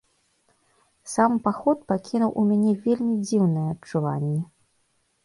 Сам паход пакінуў у мяне вельмі дзіўнае адчуванне.